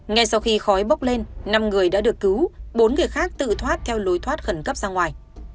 ngay sau khi khói bốc lên năm người đã được cứu bốn người khác tự thoát theo lối thoát khẩn cấp ra ngoài